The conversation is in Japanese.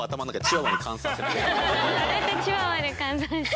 大体チワワで換算して。